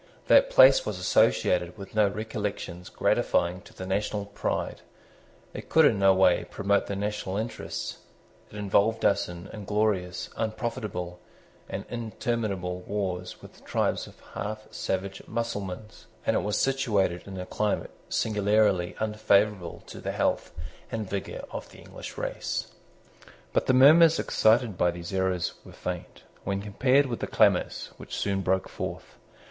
That place was associated with no recollections gratifying to the national pride: it could in no way promote the national interests: it involved us in inglorious, unprofitable, and interminable wars with tribes of half savage Mussulmans and it was situated in a climate singularly unfavourable to the health and vigour of the English race. But the murmurs excited by these errors were faint, when compared with the clamours which soon broke forth.